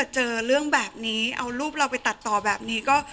เจอเรื่องแบบนี้เอารูปเราไปตัดต่อแบบนี้ก็